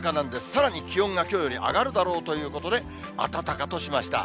さらに気温がきょうより上がるだろうということで、あたたかとしました。